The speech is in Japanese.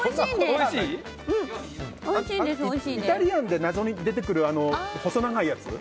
イタリアンで謎に出てくる細長いやつ？